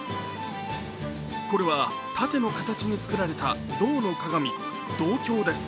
これは盾の形に作られた銅の鏡、銅鏡です。